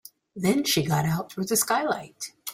Then she got out through the skylight.